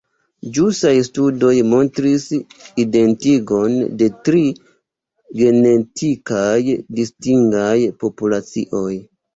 Ĵusaj studoj montris identigon de tri genetikaj distingaj populacioj.